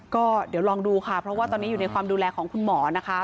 ก็เดี๋ยวลองดูค่ะเพราะว่าตอนนี้อยู่ในความดูแลของคุณหมอนะคะ